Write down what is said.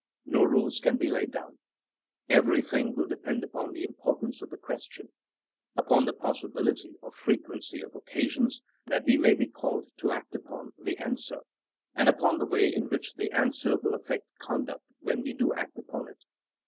No rules can be laid down. Every thing will depend upon the importance of the question, upon the possibility or frequency of occasions when we may be called to act upon the answer, and upon the way in which the an swer will affect conduct when we do act upon it.